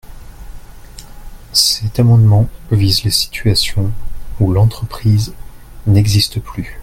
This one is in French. Cet amendement vise les situations où l’entreprise n’existe plus.